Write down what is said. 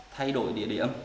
thay đổi địa điểm